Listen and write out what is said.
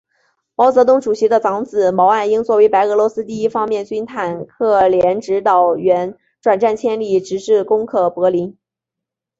毛泽东主席的长子毛岸英作为白俄罗斯第一方面军坦克连指导员，转战千里，直至攻克柏林。